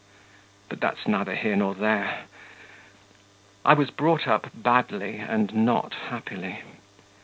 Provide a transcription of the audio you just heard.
But that's neither here nor there. I was brought up badly and not happily.